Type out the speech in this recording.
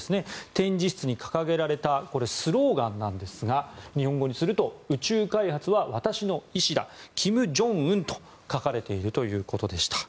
展示室に掲げられたスローガンなんですが日本語にすると「宇宙開発は私の意志だ金正恩」と書かれているということでした。